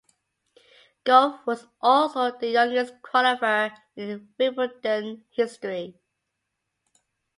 Gauff was also the youngest qualifier in Wimbledon history.